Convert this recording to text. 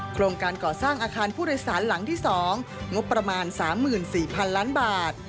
โครงการก่อสร้างอาคารผู้โดยสารหลังที่๒งบประมาณ๓๔๐๐๐ล้านบาท